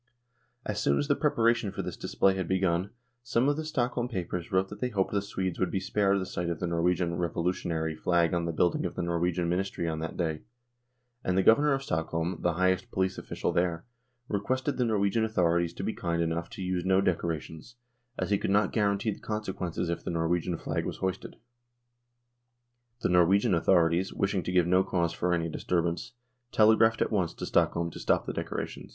As soon as the preparation for this display had begun, some of the Stockholm papers wrote that they hoped the Swedes would be spared the sight of the Norwegian " revolutionary " flag on the building of the Norwegian Ministry on that day, and the Governor of Stockholm, the highest police official there, requested the Norwegian authorities to be kind enough to use no decorations, as he could not guarantee the consequences if the Norwegian flag was hoisted. The Norwegian authorities, wishing to give no cause for any disturbance, tele graphed at once to Stockholm to stop the decorations.